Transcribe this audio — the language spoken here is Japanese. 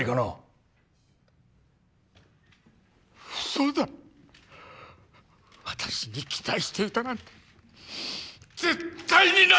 うそだ私に期待していたなんて絶対にない！